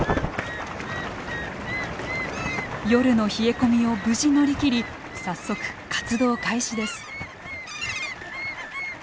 夜の冷え込みを無事乗り切り早速活動開始です。